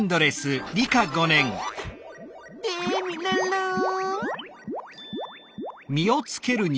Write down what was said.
テミルンルン！